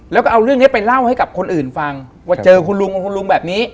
แล้วก็เอาเรื่องนี้ไปเล่าให้กับคนอื่นฟังว่าเจอคุณลุงกับคุณลุงแบบนี้